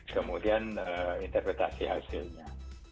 kemudian interpretasi hasilnya